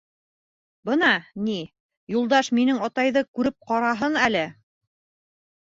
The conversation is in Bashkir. Бына, ни, Юлдаш минең атайҙы күреп ҡараһын әле!